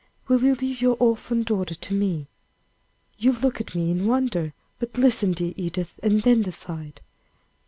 Will you leave your orphan daughter to me? You look at me in wonder; but listen, dear Edith, and then decide.